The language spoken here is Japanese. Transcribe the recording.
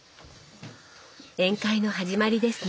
宴会の始まりですね。